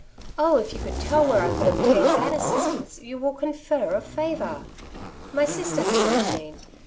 Oh, if you could tell where I could obtain that assist ance, you will confer a favour." •'My sister has a machine.